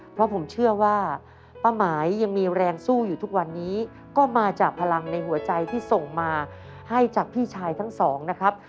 เพราะผมเชื่อว่าป้าหมายยังมีแรงสู้อยู่ทุกวันนี้ก็มาจากพลังในหัวใจที่ส่งมาให้จากพี่ชายทั้งสองนะครับ